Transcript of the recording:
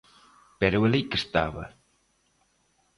Pero alí que estaba.